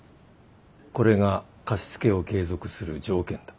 これが貸し付けを継続する条件だ。